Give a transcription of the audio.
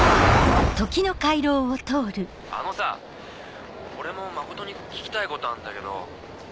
あのさ俺も真琴に聞きたいことあんだけど。